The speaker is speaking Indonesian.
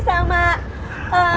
sama temen temen nih